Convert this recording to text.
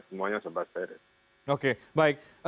semuanya sempat seret oke baik